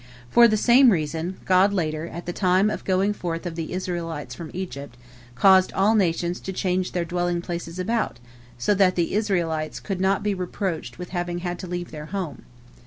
For the same reason, God later, at the time of the going forth of the Israelites from Egypt, caused all nations to change their dwelling places about, so that the Israelites could not be reproached with having had to leave their home.